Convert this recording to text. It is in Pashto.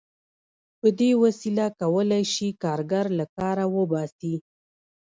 په دې وسیله کولای شي کارګر له کاره وباسي